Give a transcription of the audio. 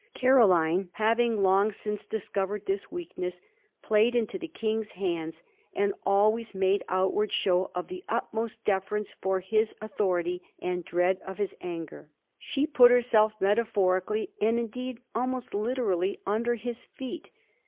Caroline, having long since discovered this weakness, played into the King's hands, and always made outward show of the utmost deference for his authority and dread of his anger. She put herself metaphorically, and in deed ahnost literally, under his feet.